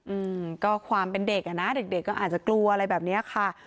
อืมก็ความเป็นเด็กอ่ะนะเด็กเด็กก็อาจจะกลัวอะไรแบบเนี้ยค่ะ